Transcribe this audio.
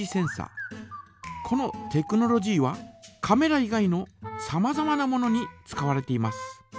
このテクノロジーはカメラ以外のさまざまなものに使われています。